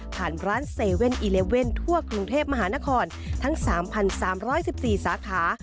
ผ่านร้าน๗๑๑ทั่วกรุงเทพมหานครทั้ง๓๓๑๔สาขา